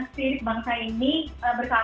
pasti punya sudut pandang tersendiri soal sumpah pemuda